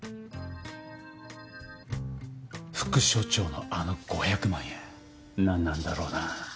副署長のあの５００万円何なんだろうな。